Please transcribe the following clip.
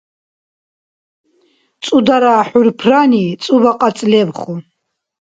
ЦӀудара хӀурпрани цӀуба кьацӀ лебху.